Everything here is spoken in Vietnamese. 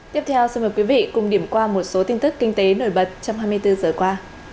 tiếp theo xin mời quý vị cùng điểm qua một số tin tức kinh tế nổi bật trong hai mươi bốn giờ qua